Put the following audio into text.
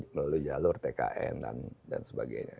melalui jalur tkn dan sebagainya